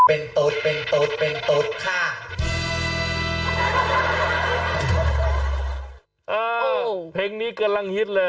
เออเพลงนี้กำลังฮิตเลย